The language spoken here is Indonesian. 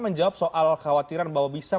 menjawab soal khawatiran bahwa bisa